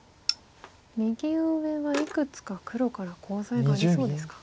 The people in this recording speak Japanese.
右上はいくつか黒からコウ材がありそうですか。